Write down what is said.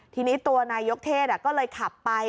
ทีนี้ตัวนายกเทศก็เลยขับไป